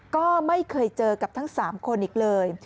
ก็ไม่เคยเจอกับทั้ง๓คนอีกเลย